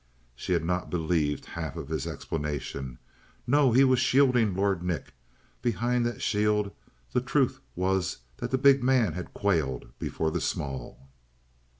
She had not believed half of his explanation. No, he was shielding Lord Nick; behind that shield the truth was that the big man had quailed before the small.